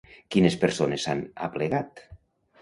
Quines persones s'han aplegat?